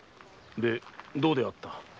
でどうであった？